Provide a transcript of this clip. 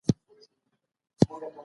ژوند هره شېبه ډالۍ دی